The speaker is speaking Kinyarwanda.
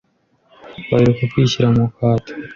baheruka kwishyira mu kato,